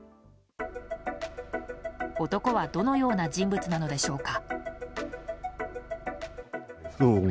男はどのような人物なのでしょうか。